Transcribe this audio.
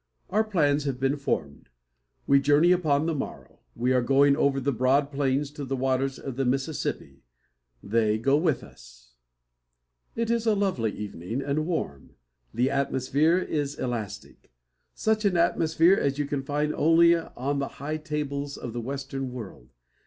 Our plans have been formed; we journey upon the morrow; we are going over the broad plains to the waters of the Mississippi. They go with us. It is a lovely evening, and warm. The atmosphere is elastic; such an atmosphere as you can find only on the high tables of the western world.